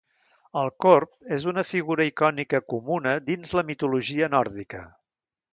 El corb és una figura icònica comuna dins la mitologia nòrdica.